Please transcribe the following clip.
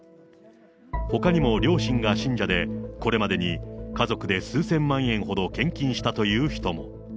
ほかにも両親が信者で、これまでに家族で数千万円ほど献金したという人も。